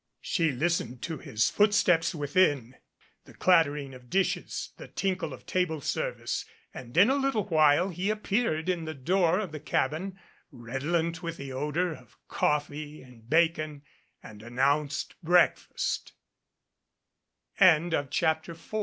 She listened to his footsteps within, the clattering of dishes, the tinkle of table service and in a little while he appeared in the door of the cabin, redolent with the odor of coffee and bacon, and announced breakfa